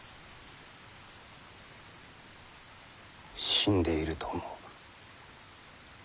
死んでいると思う。